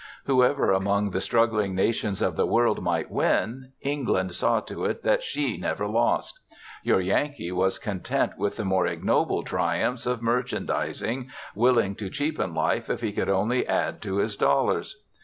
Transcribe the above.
Whoever among the struggling nations of the world might win, England saw to it that she never lost; your Yankee was content with the more ignoble triumphs of merchandising, willing to cheapen life if he could only add to his dollars.